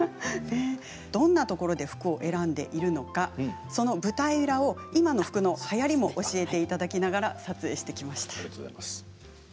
どんなところで服を選んでいるのかその舞台裏を、今の服のはやりも教えていただきながら撮影してきました。